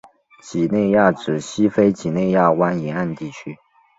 几内亚指西非几内亚湾沿岸地区。